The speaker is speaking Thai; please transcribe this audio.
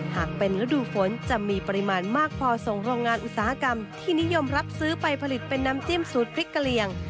หากเป็นฤดูฝนจะมีปริมาณมากพอส่งโรงงานอุตสาหกรรมที่นิยมรับซื้อไปผลิตเป็นน้ำจิ้มสูตรพริกกะเหลี่ยง